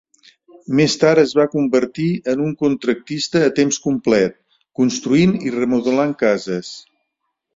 Més tard es va convertir en un contractista a temps complet, construint i remodelant cases.